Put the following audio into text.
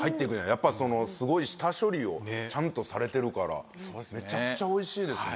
やっぱそのすごい下処理をちゃんとされてるからめちゃくちゃおいしいですね。